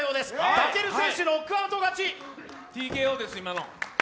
武尊選手、ノックアウト勝ち。